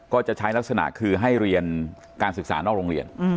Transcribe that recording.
ก็จะใช้ลักษณะคือให้เรียนการศึกษานอกโรงเรียน